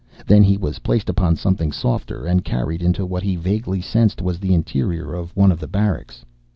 Then he was placed upon something softer and carried into what he vaguely sensed was the interior of one of the barracks.